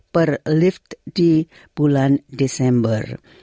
per lift di bulan desember